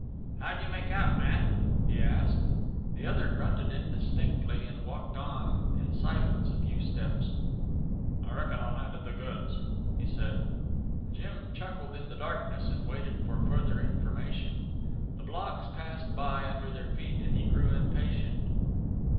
"How'd you make out, Matt?" he asked. The other grunted indistinctly, and walked on in silence a few steps. "I reckon I landed the goods," he said. Jim chuckled in the darkness, and waited for further information. The blocks passed by; under their feet, and he grew impatient.